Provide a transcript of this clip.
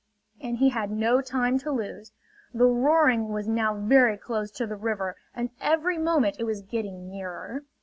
And he had no time to lose. The roaring was now very close to the river and every moment it was getting nearer.